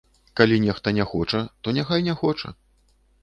Калі нехта не хоча, то няхай не хоча.